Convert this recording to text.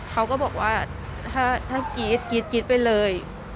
เขาก็บอกว่าถ้ากรี๊ดกรี๊ดไปเลย